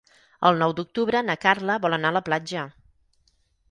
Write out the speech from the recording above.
El nou d'octubre na Carla vol anar a la platja.